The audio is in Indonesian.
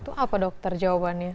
itu apa dokter jawabannya